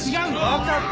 わかった。